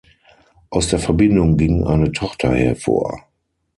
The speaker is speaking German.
Aus der Verbindung ging eine Tochter hervor.